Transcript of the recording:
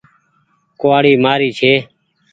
ڪوُوآڙي مآري ڇي ۔